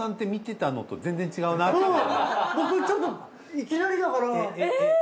だいたい僕ちょっといきなりだから。え！